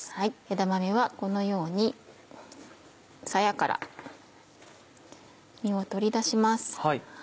枝豆はこのようにさやから実を取り出します。